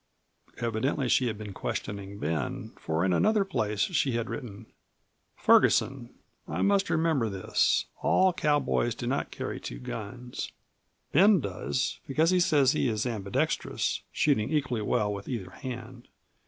Evidently she had been questioning Ben, for in another place she had written: "Ferguson. I must remember this all cowboys do not carry two guns. Ben does, because he says he is ambidextrous, shooting equally well with either hand.